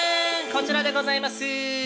こちらでございますぅ！